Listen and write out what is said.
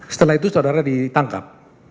setelah itu saudara ditangkap